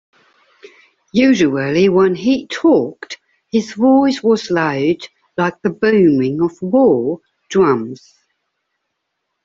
Usually when he talked, his voice was loud like the booming of war drums.